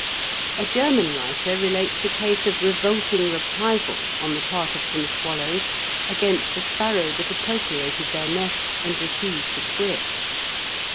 A German writer relates a case of revolting reprisal on the part of some swallows against a sparrow that appropriated their nest and refused to quit.